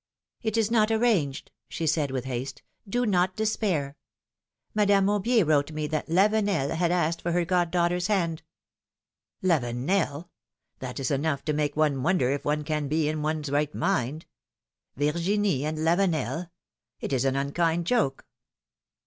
'Ht is not arranged," she said with haste; do not despair; Madame Aubier wrote me that Lavenel had asked for her goddaughter's hand." Lavenel ? That is enough to make one wonder if one can be in one's right mind. Virginie and Lavenel ! It is an unkind joke."